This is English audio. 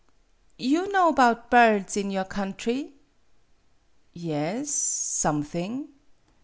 " You know 'bout birds in your country? " "Yes, something."